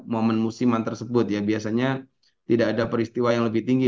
momen musiman tersebut ya biasanya tidak ada peristiwa yang lebih tinggi